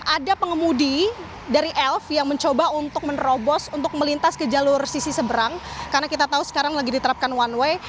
ada pengemudi dari elf yang mencoba untuk menerobos untuk melintas ke jalur sisi seberang karena kita tahu sekarang lagi diterapkan one way